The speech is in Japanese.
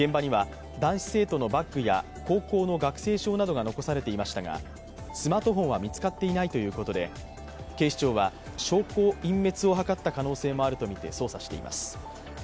現場には、男子生徒のバッグや高校の学生証などが残されていましたが、スマートフォンは見つかっていないということで警視庁は証拠隠滅を図った可能性もあるとみて捜査しています。